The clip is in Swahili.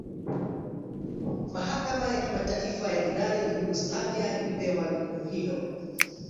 mahakama ya kimataifa ya jinai ya yugoslavia ilipewa jukumu hilo